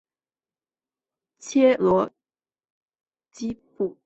切罗基布鲁夫斯是位于美国阿拉巴马州塔拉普萨县的一个非建制地区。